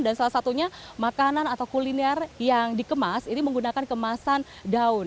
dan salah satunya makanan atau kuliner yang dikemas ini menggunakan kemasan daun